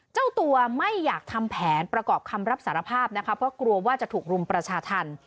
เจ้าตัวไม่อยากทำแผนประกอบคำรับสารภาพนะคะเพราะกลัวว่าจะถูกรุมประชาธรรม